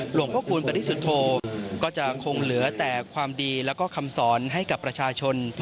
หลวงพระคูณปริสุทธโธก็จะคงเหลือแต่ความดีแล้วก็คำสอนให้กับประชาชน